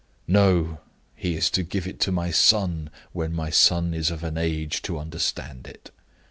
"No! he is to give it to my son when my son is of an age to understand it."